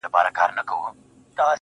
o ستا په تعويذ كي به خپل زړه وويني.